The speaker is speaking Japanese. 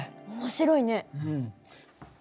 面白いね。